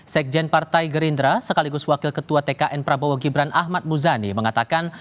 sekjen partai gerindra sekaligus wakil ketua tkn prabowo gibran ahmad muzani mengatakan